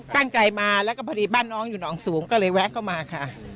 ตั้งใจมาแล้วก็พอดีบ้านน้องอยู่หนองสูงก็เลยแวะเข้ามาค่ะ